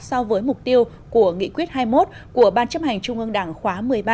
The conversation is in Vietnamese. so với mục tiêu của nghị quyết hai mươi một của ban chấp hành trung ương đảng khóa một mươi ba